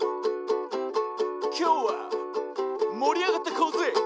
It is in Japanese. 「きょうはもりあがっていこうぜ！」